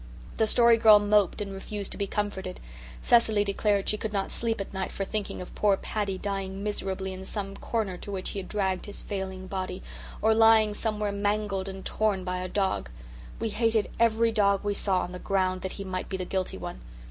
The Story Girl moped and refused to be comforted; Cecily declared she could not sleep at night for thinking of poor Paddy dying miserably in some corner to which he had dragged his failing body, or lying somewhere mangled and torn by a dog. We hated every dog we saw on the ground that he might be the guilty one.